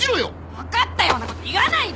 分かったようなこと言わないで！